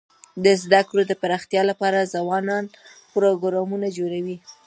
د زده کړو د پراختیا لپاره ځوانان پروګرامونه جوړوي.